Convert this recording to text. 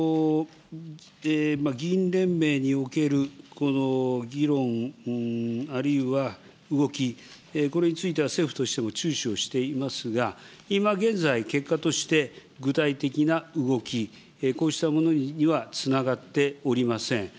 議員連盟におけるこの議論、あるいは動き、これについては政府としても注視をしていますが、今現在、結果として具体的な動き、こうしたものにはつながっておりません。